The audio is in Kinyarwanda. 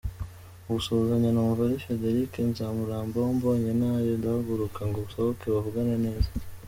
Mu gusuhuzanya numva ari Frédéric Nzamurambaho, mbonye ntyo ndahaguruka ngo nsohoke bavugane neza.